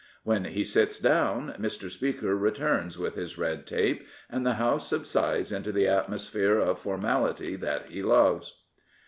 When he sits down, Mr. Speaker returns with his red tape, and the House subsides into the atmos phere of formality that he loves.